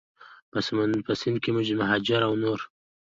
په سند کې مهاجر او نور